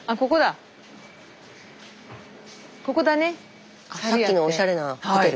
スタジオさっきのおしゃれなホテル。